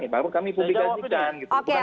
itu baru kami publikasikan